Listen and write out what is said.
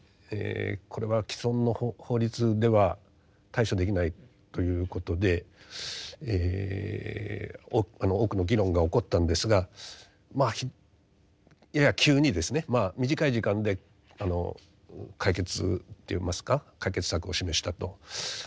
これは既存の法律では対処できないということで多くの議論が起こったんですがまあやや急にですね短い時間で解決といいますか解決策を示したと。